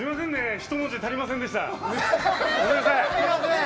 ひと文字足りませんでした。